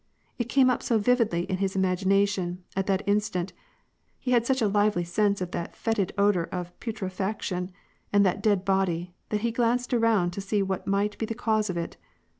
It came up so vividly in his imagination, at that instant, he had such a lively sense of that fetid odor of putrefaction, and that dead body, that he glanced around to see what might be the cause of it.